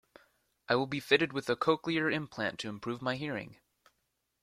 I will be fitted with a cochlear implant to improve my hearing.